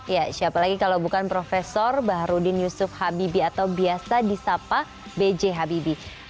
ya siapa lagi kalau bukan prof baharudin yusuf habibie atau biasa disapa b j habibie